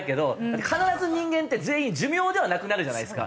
必ず人間って全員寿命では亡くなるじゃないですか。